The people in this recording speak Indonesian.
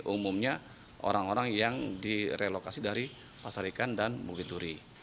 umumnya orang orang yang direlokasi dari pasar ikan dan bukit duri